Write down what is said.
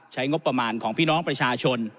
ใช้งบประมาณของพี่น้องประชาชน